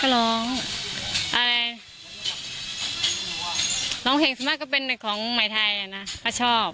ก็ร้องอะไรร้องเพลงสำหรับก็เป็นของไหมไทยอ่ะนะเขาชอบ